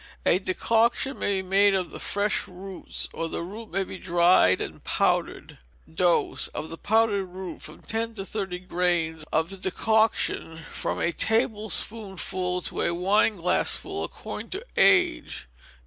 A decoction may be made of the fresh roots, or the root may be dried and powdered. Dose, of the powdered root, from ten to thirty grains; of the decoction, from a tablespoonful to a wineglassful, according to age.